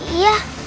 bisa bahaya buat dia